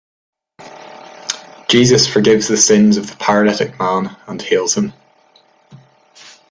Jesus forgives the sins of the paralytic man, and heals him.